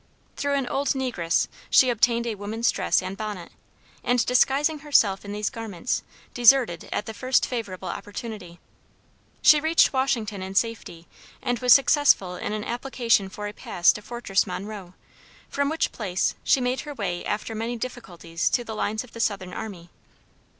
Through an old negress she obtained a woman's dress and bonnet, and disguising herself in these garments, deserted at the first favorable opportunity. She reached Washington in safety and was successful in an application for a pass to Fortress Monroe, from which place she made her way after many difficulties to the lines of the Southern Army.